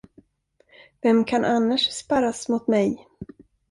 Vem kan annars sparras mot mig?